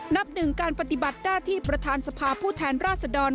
นับหนึ่งการปฏิบัติหน้าที่ประธานสภาผู้แทนราชดร